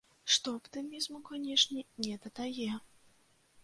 Што аптымізму, канешне, не дадае.